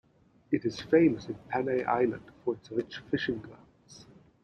It is famous in Panay island for its rich fishing grounds.